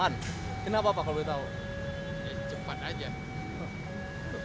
ada juga kalau lagi jauh